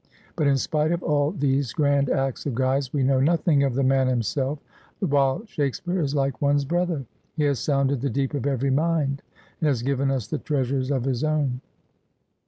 But in spite of all these grand acts of Guy's we know nothing of the man himself, while Shakespeare is like one's brother. He has sounded the deep of every mind, and has given us the treasures of his own.'